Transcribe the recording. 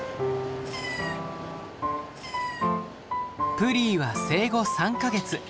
プリーは生後３か月。